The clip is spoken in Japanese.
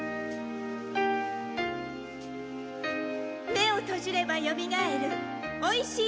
目を閉じればよみがえるおいしい日々。